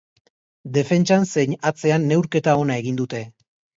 Defentsan zein atzean neurketa ona egin dute.